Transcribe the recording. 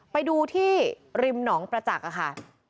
ไปดูที่ริมหนองประจักษ์ค่ะ